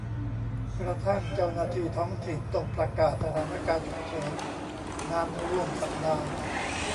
กระทั่งเจ้าหน้าที่ท้องถิ่นต้องประกาศสถานการณ์ฉุกเฉินนานร่วมสัปดาห์